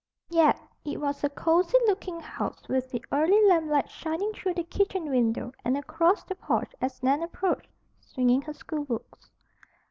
Yet it was a cozy looking house with the early lamplight shining through the kitchen window and across the porch as Nan approached, swinging her schoolbooks.